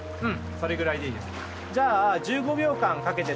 それぐらいでいいです。